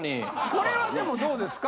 これはでもどうですか？